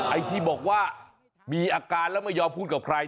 ไอ้ที่บอกว่ามีอาการแล้วไม่ยอมพูดกับใคร